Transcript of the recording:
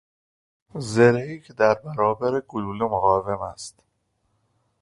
زرهی که در برابر گلوله مقاوم است